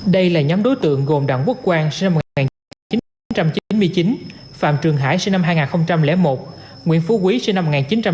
đây là nhóm đối tượng gồm đảng quốc quan sinh năm một nghìn chín trăm chín mươi chín phạm trường hải sinh năm hai nghìn một nguyễn phú quý sinh năm một nghìn chín trăm chín mươi chín